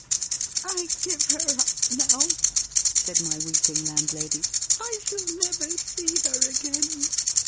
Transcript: "I give her up now," said my weeping landlady; "I shall never see her again.